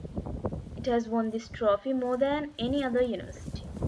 It has won this trophy more than any other university.